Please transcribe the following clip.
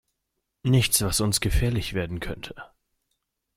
Nichts, was uns gefährlich werden könnte.